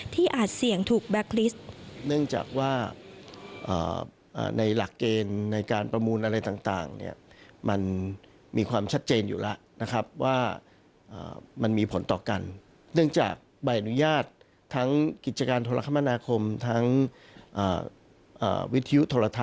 ที่อาจเสี่ยงถูกแบ็คลิสต์